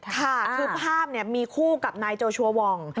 ค่ะคือภาพมีคู่กับนายโจชัววอง